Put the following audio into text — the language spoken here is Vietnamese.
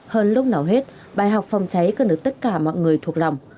hơn lúc nào hết bài học phòng cháy cần được tất cả mọi người thuộc lòng